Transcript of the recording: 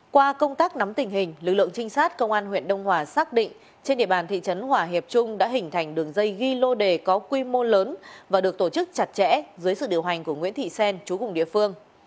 qua công tác nắm tình hình lực lượng trinh sát công an huyện đông hòa xác định trên địa bàn thị trấn hòa hiệp trung đã hình thành đường dây ghi lô đề có quy mô lớn và được tổ chức chặt chẽ dưới sự điều hành của nguyễn thị xen chú cùng địa phương